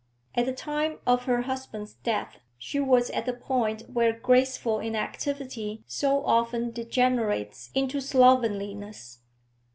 At the time of her husband's death she was at the point where graceful inactivity so often degenerates into slovenliness.